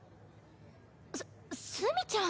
す墨ちゃん！